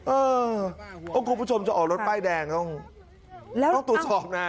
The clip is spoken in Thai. เออคุณผู้ชมจะออกรถป้ายแดงต้องตรวจสอบนะ